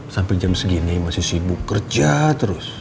sampai jam segini masih sibuk kerja terus